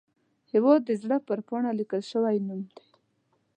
هیواد د زړه پر پاڼه لیکل شوی نوم دی